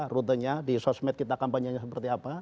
rutenya di sosmed kita kampanye seperti apa